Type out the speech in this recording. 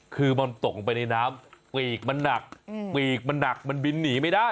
คือมันตกลงไปในน้ำปีกมันหนักปีกมันหนักมันบินหนีไม่ได้